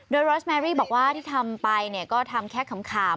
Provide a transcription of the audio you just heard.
โดยรอสแมรี่บอกว่าที่ทำไปก็ทำแค่ขำ